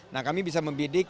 nah kami bisa membidik